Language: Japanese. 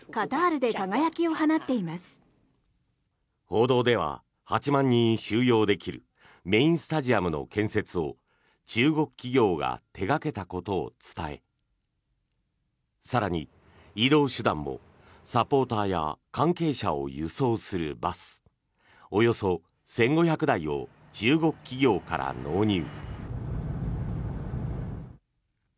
報道では８万人収容できるメインスタジアムの建設を中国企業が手掛けたことを伝え更に、移動手段もサポーターや関係者を輸送するバスおよそ１５００台を中国企業から納入。